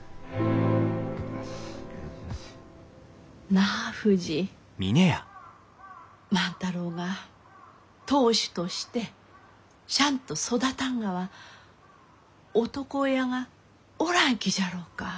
なあふじ万太郎が当主としてシャンと育たんがは男親がおらんきじゃろうか？